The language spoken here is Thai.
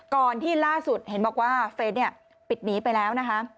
ก่อนที่ล่าสุดเห็นบอกว่าเฟสเนี่ยปิดหนีไปแล้วนะคะ